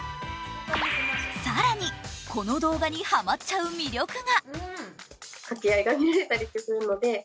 更に、この動画にハマっちゃう魅力が。